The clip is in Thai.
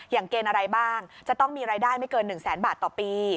เกณฑ์อะไรบ้างจะต้องมีรายได้ไม่เกิน๑แสนบาทต่อปี